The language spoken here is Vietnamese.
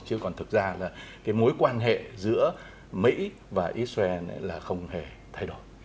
chứ còn thực ra là cái mối quan hệ giữa mỹ và israel là không hề thay đổi